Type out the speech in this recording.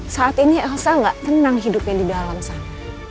saat ini elsa gak tenang hidupnya di dalam sana